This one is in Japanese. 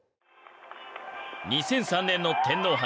２００３年の天皇杯